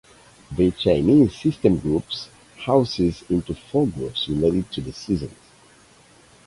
The Chinese system groups houses into four groups related to the seasons.